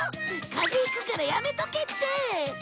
風邪引くからやめとけって！